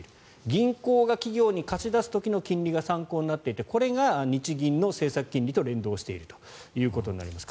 銀行が企業に貸し出す時の金利が参考になっていてこれが日銀の政策金利と連動しているということになります。